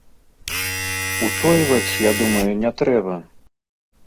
Утойваць, я думаю, не трэба.